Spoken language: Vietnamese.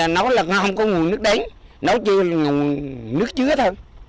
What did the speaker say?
nó không có nguồn nước đáy nó chỉ là nước chứa thôi